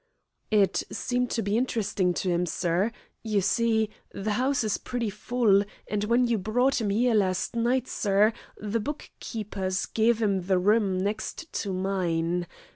"It seemed to be interesting to 'im, sir. You see, the 'ouse is pretty full, and when you brought 'im 'ere last night, sir, the bookkeeper gev' 'im the room next to mine.